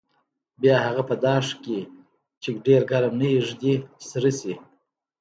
بیا هغه په داش کې چې ډېر ګرم نه وي ږدي چې سره شي.